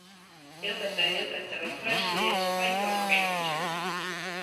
Ja õpetaja ei õpeta vaid klassi ees, vaid ka oma käitumisega.